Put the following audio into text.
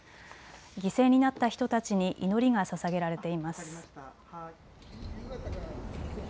犠牲になった人たちに祈りがささげられています。